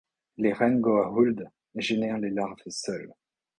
Les reines Goa'uld génèrent des larves seules.